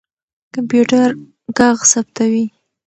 کمپيوټر ږغ ثبتوي.